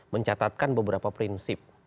mencatatkan beberapa prinsip